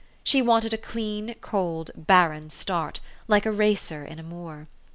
She wanted a clean, cold, barren start, like a racer in a moor.